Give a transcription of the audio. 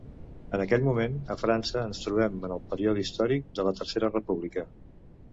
En aquest moment a França ens trobem en el període històric de la Tercera República.